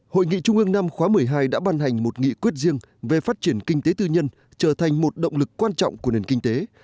hội nghị trung ương năm khóa một mươi hai đã ban hành một nghị quyết riêng về phát triển kinh tế tư nhân trở thành một động lực quan trọng của nền kinh tế